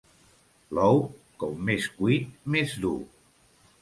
L'ou, com més cuit més dur.